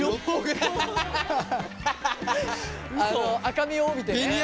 赤みを帯びてね。